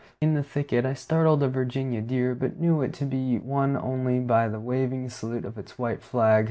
In the thicket I startled a Virginia deer, but knew it to be one only by the waving salute of its white flag.